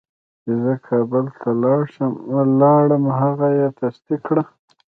چې زه کابل ته لاړم هغه یې تصدیق کړه.